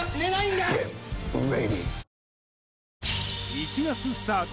１月スタート